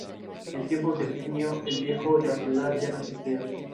Como pintor, los paisajes ecuatorianos son su tema más recurrente.